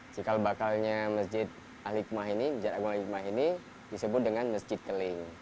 jikal bakalnya masjid agung al hikmah ini disebut dengan masjid keling